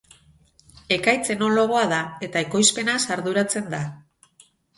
Ekaitz enologoa da eta ekoizpenaz arduratzen da.